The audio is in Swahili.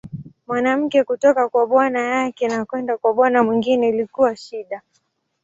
Mwanamke kutoka kwa bwana yake na kwenda kwa bwana mwingine ilikuwa shida.